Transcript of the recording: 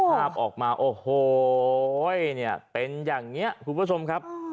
ภาพออกมาโอ้โหเนี่ยเป็นอย่างนี้คุณผู้ชมครับ